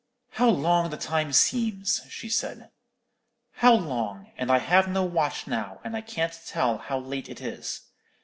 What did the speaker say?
"How long the time seems!" she said; "how long! and I have no watch now, and I can't tell how late it is.